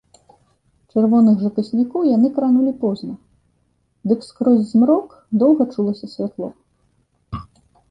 Чырвоных жа каснікоў яны кранулі позна, дык скрозь змрок доўга чулася святло.